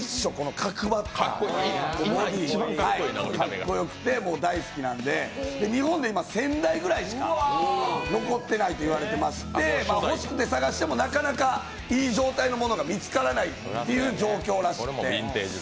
かっこよくて大好きなんで日本で１０００台ぐらいしか残ってないと言われていまして欲しくて探してもなかなかいい状態のものが見つからないという状況らしくて。